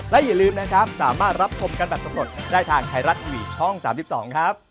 และอย่าลืมนะครับสามารถรับคลมกันแบบสมมติได้ทางไทรัตวิชช่อง๓๒ครับ